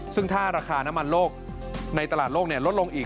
ซึ่งถ้าราคาน้ำมันโลกในตลาดโลกลดลงอีก